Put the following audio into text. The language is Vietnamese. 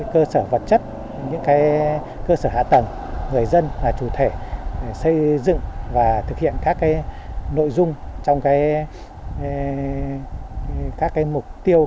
cơ sở hạ tầng người dân là chủ thể xây dựng và thực hiện các nội dung trong các mục tiêu